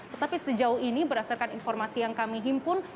tetapi sejauh ini berdasarkan informasi yang kami himpun